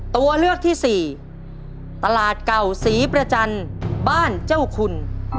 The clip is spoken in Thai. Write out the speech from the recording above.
ตัวเลือกที่สี่ตลาดเก่าศรีประจันทร์บ้านเจ้าคุณ